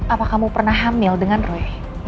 apa kamu pernah hamil dengan roy